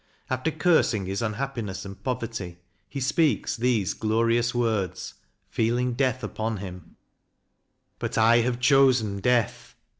After cursing his unhappiness and poverty, he speaks these glorious words, feeling death upon him : But I have chosen Death.